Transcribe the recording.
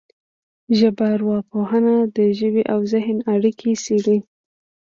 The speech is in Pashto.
ژبارواپوهنه د ژبې او ذهن اړیکې څېړي